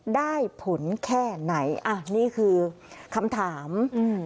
ได้ผลแค่ไหนอ่ะนี่คือคำถามอืม